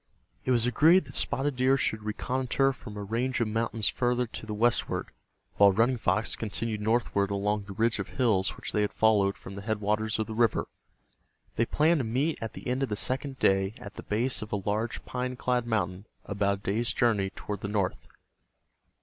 It was agreed that Spotted Deer should reconnoiter from a range of mountains farther to the westward, while Running Fox continued northward along the ridge of hills which they had followed from the headwaters of the river. They planned to meet at the end of the second day at the base of a large pine clad mountain about a day's journey toward the north.